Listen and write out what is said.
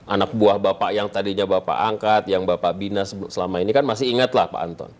anak buah bapak yang tadinya bapak angkat yang bapak bina selama ini kan masih ingatlah pak anton